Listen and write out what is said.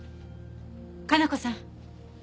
可奈子さん